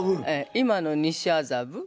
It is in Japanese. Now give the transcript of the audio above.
今の西麻布。